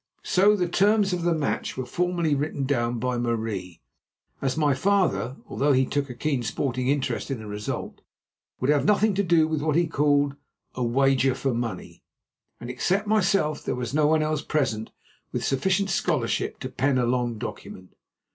So the terms of the match were formally written down by Marie, as my father, although he took a keen sporting interest in the result, would have nothing to do with what he called a "wager for money," and, except myself, there was no one else present with sufficient scholarship to pen a long document.